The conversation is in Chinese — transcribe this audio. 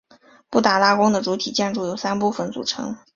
布达拉宫的主体建筑由三部分组成。